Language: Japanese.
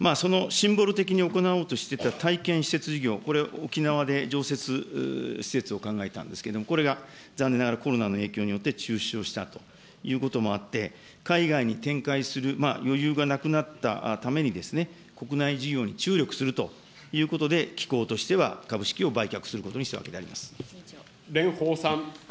それから、そのシンボル的に行おうとしていた体験施設事業、これ、沖縄で常設施設を考えていたんですけれども、これが残念ながらコロナの影響によって中止をしたということもあって、海外に展開する余裕がなくなったために、国内事業に注力するということで、機構としては株式を売却することに蓮舫さん。